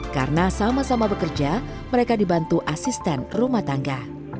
karena sama sama bekerja mereka dibantu asisten rumah tangga